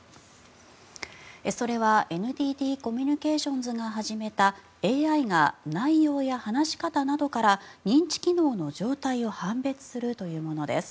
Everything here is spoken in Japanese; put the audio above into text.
それはＮＴＴコミュニケーションズが始めたＡＩが内容や話し方などから認知機能の状態を判別するというものです。